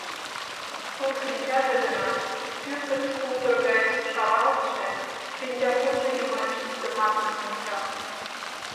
Сур шинчаже гына пӱркыт шулдыр гай шаралтше шинчапунжо йымач тыматлын онча.